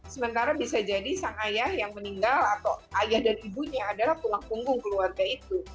sementara bisa jadi sang ayah yang meninggal atau ayah dan ibunya adalah tulang punggung keluarga itu